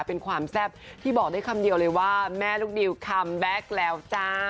เป็นความแซ่บที่บอกได้คำเดียวเลยว่าแม่ลูกดิวคัมแบ็คแล้วจ้า